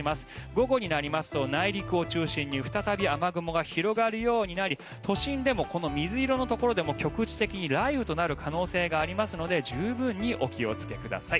午後になりますと内陸を中心に雨雲が広がるようになり都心でもこの水色のところでも局地的に雷雨となる可能性がありますので十分にお気をつけください。